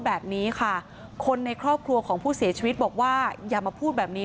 แบบนี้ค่ะคนในครอบครัวของผู้เสียชีวิตบอกว่าอย่ามาพูดแบบนี้